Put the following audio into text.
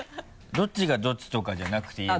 どっちがどっちとかじゃなくていいの？